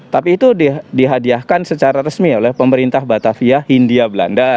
tapi itu dihadiahkan secara resmi oleh pemerintah batavia hindia belanda